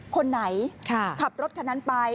คนไหนขับรถคันนั้นไป